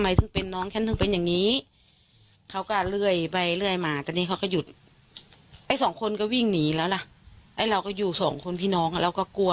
อีกคนฆ่าลูกฆ่ามียกลัว